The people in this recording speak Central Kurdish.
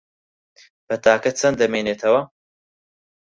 پەتاکە چەند دەمێنێتەوە؟